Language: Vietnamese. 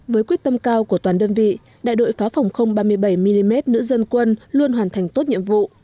với quyết tâm cao của toàn đơn vị đại đội pháo phòng không ba mươi bảy mm nữ dân quân luôn hoàn thành tốt nhiệm vụ